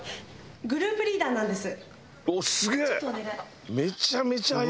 グループリーダーなんです。